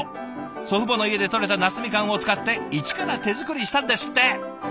祖父母の家でとれた夏みかんを使って一から手作りしたんですって。